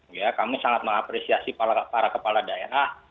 ya kami sangat mengapresiasi para kepala daerah